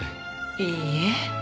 いいえ。